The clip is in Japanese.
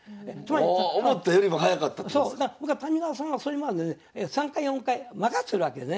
僕は谷川さんはそれまでね３回４回負かしてるわけだね。